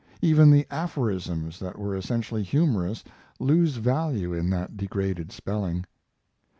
Even the aphorisms that were essentially humorous lose value in that degraded spelling.